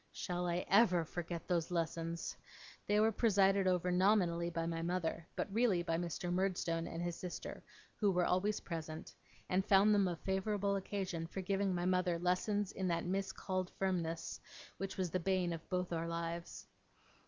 Shall I ever forget those lessons! They were presided over nominally by my mother, but really by Mr. Murdstone and his sister, who were always present, and found them a favourable occasion for giving my mother lessons in that miscalled firmness, which was the bane of both our lives.